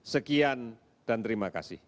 sekian dan terima kasih